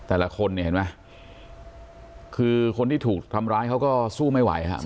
แต่ละคนเนี่ยเห็นไหมคือคนที่ถูกทำร้ายเขาก็สู้ไม่ไหวครับ